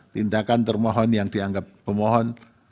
tindakan termohon yang dianggap pemohon